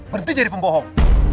berhenti jadi pembohong